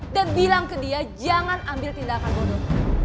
dan bilang ke dia jangan ambil tindakan bodoh